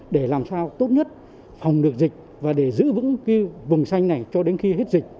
để làm sao tốt nhất phòng được dịch và để giữ vững cái vùng xanh này cho đến khi hết dịch